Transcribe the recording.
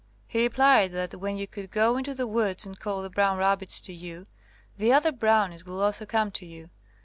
He replied that when you could go into the woods and call the brown rab bits to you the other brownies will also come to you.